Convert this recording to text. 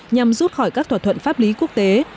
nhằm rút khỏi các thỏa thuận pháp lý quốc tế